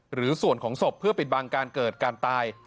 หรือส่วนของศพเพื่อปิดบังการเกิดการตาย